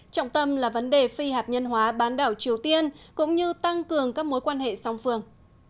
trọng tâm là vấn đề phi hạt nhân hóa bán đảo triều tiên cũng như tăng cường các mối quan hệ song phương